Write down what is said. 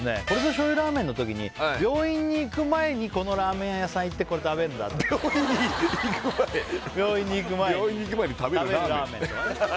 醤油ラーメンのときに病院に行く前にこのラーメン屋さん行ってこれ食べるんだ病院に行く前病院に行く前に食べるラーメンとかね